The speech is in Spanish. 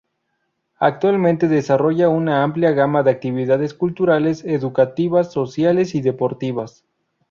Actualmente, desarrolla una amplia gama de actividades culturales, educativas, sociales y deportivas.